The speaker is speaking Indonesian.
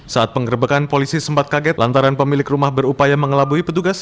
saat penggerbekan polisi sempat kaget lantaran pemilik rumah berupaya mengelabui petugas